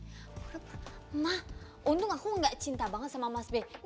pura pura ma untung aku gak cinta banget sama mas ben